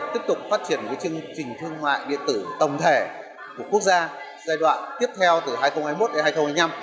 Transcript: tiếp tục phát triển chương trình thương mại điện tử tổng thể của quốc gia giai đoạn tiếp theo từ hai nghìn hai mươi một đến hai nghìn hai mươi năm